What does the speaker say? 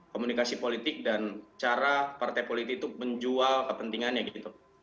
komunikasi politik dan cara partai politik itu menjual kepentingannya gitu